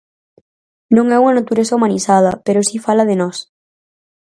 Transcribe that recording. Non é unha natureza humanizada, pero si fala de nós.